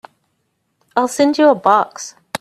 I'll send you a box.